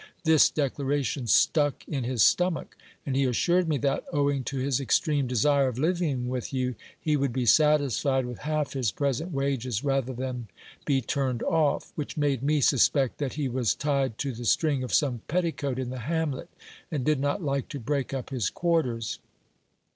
This de claration stuck in his stomach ; and he assured me that, owing to his extreme desire of living with you, he would be satisfied with half his present wages rather than be turned off, which made me suspect that he was tied to the string of some petticoat in the hamlet, and did not like to break up his quarters.